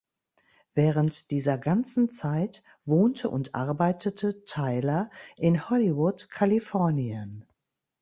Während dieser ganzen Zeit wohnte und arbeitete Tyler in Hollywood, Kalifornien.